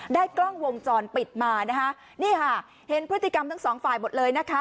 ได้กล้องวงจรปิดมานะคะนี่ค่ะเห็นพฤติกรรมทั้งสองฝ่ายหมดเลยนะคะ